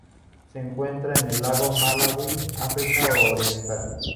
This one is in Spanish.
Se encuentra en el lago Malawi, África Oriental.